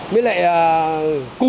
với lại cù